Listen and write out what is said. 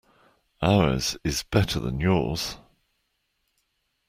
Ours is better than yours.